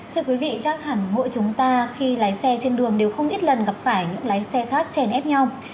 thưa quý vị chắc hẳn mỗi chúng ta khi lái xe trên đường đều không ít lần gặp phải những lái xe khác chèn ép nhau